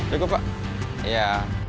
ya kok pak ya